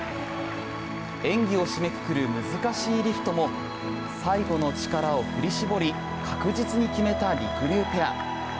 演技を締めくくる難しいリフトも最後の力を振り絞り確実に決めたりくりゅうペア。